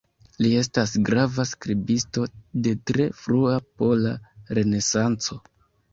Li estas grava skribisto de tre frua pola renesanco.